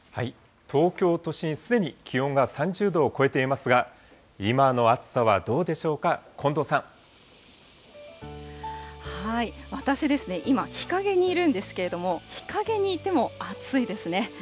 東京都心、すでに気温が３０度を超えていますが、今の暑さは私ですね、今、日陰にいるんですけれども、日陰にいても暑いですね。